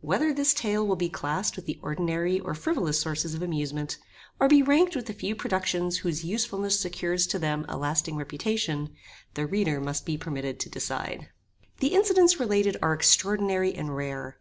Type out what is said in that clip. Whether this tale will be classed with the ordinary or frivolous sources of amusement, or be ranked with the few productions whose usefulness secures to them a lasting reputation, the reader must be permitted to decide. The incidents related are extraordinary and rare.